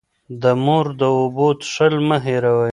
د مور د اوبو څښل مه هېروئ.